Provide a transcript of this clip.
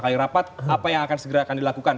kali rapat apa yang akan segera akan di lakukan